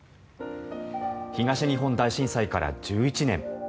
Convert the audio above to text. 東日本大震災から１１年。